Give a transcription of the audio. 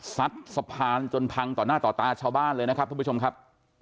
ซัดสะพานจนพังต่อหน้าต่อตาชาวบ้านเลยนะครับทุกผู้ชมครับ